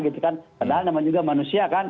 gitu kan padahal namanya juga manusia kan